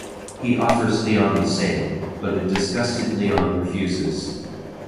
He offers Leon the same, but a disgusted Leon refuses.